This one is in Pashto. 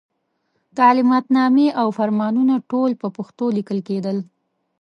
تعلماتنامې او فرمانونه ټول په پښتو لیکل کېدل.